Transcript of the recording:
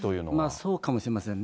そうかもしれませんね。